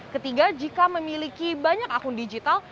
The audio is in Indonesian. ketiga jika memiliki banyak akun digital